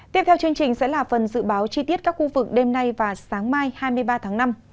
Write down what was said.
tiếp theo chương trình sẽ là phần dự báo chi tiết các khu vực đêm nay và sáng mai hai mươi ba tháng năm